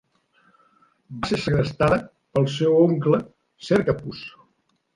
Va ser segrestada pel seu oncle, Cercaphus.